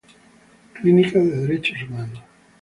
Clínica de Derechos Humanos.